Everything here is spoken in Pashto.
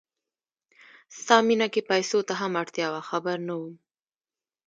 ستا مینه کې پیسو ته هم اړتیا وه خبر نه وم